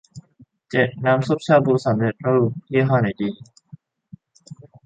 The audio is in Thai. เจ็ด น้ำซุปชาบูสำเร็จรูป ยี่ห้อไหนดี